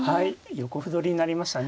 横歩取りになりましたね。